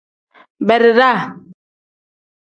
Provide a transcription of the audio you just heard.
Beredaa.